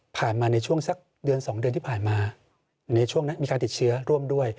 มาในช่วงสักเดือน๒เดือนที่ผ่านมาในช่วงนั้นมีการติดเชื้อร่วมด้วย